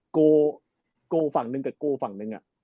โก้ฝั่งนึงกับโก้ฝั่งนึงอะ